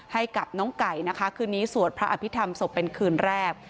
ให้กับน้องไก่นะคะคืนนี้สวดพระอภิษฐรรมศพเป็นคืนแรก